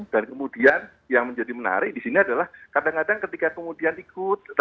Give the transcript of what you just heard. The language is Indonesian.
dan kemudian yang menjadi menarik disini adalah kadang kadang ketika kemudian ikut